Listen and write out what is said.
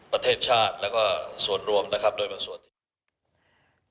ประเทศชาติและก็สวดรวมนะครับ